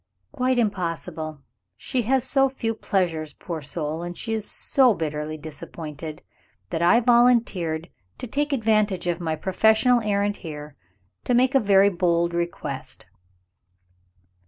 "Quite impossible. She has so few pleasures, poor soul, and she is so bitterly disappointed, that I volunteered to take advantage of my professional errand here, to make a very bold request.